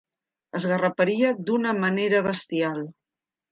Esgarraparia d'una manera bestial.